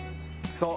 「そう。